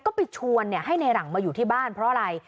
ก็ไปชวนให้ในหลังมาอยู่ที่บ้านเพราะอะไร